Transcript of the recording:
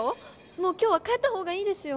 もう今日は帰った方がいいですよ。